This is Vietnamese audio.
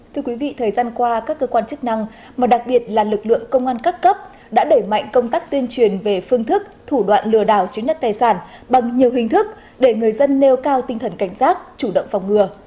thưa quý vị thời gian qua các cơ quan chức năng mà đặc biệt là lực lượng công an các cấp đã đẩy mạnh công tác tuyên truyền về phương thức thủ đoạn lừa đảo chiếm đất tài sản bằng nhiều hình thức để người dân nêu cao tinh thần cảnh giác chủ động phòng ngừa